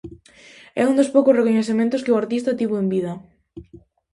É un dos poucos recoñecementos que o artista tivo en vida.